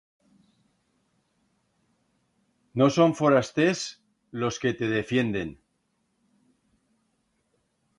No son forasters los que te defienden.